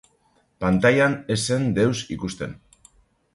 Pantailan ez zen deus ikusten.